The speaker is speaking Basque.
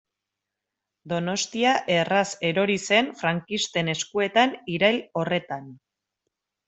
Donostia erraz erori zen frankisten eskuetan irail horretan.